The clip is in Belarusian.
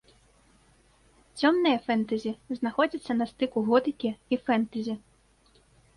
Цёмнае фэнтэзі знаходзіцца на стыку готыкі і фэнтэзі.